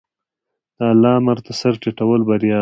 د الله امر ته سر ټیټول بریا ده.